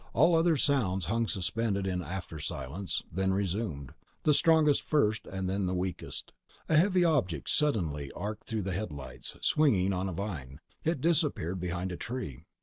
All other sounds hung suspended in after silence, then resumed: the strongest first and then the weakest. A heavy object suddenly arced through the headlights, swinging on a vine. It disappeared behind a tree.